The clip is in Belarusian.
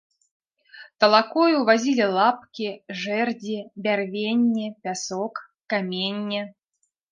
Талакою вазілі лапкі, жэрдзі, бярвенне, пясок, каменне.